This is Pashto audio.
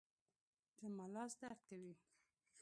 زما لاس درد کوي